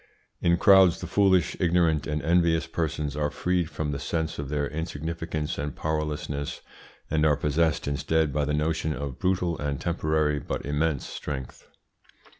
In crowds the foolish, ignorant, and envious persons are freed from the sense of their insignificance and powerlessness, and are possessed instead by the notion of brutal and temporary but immense strength.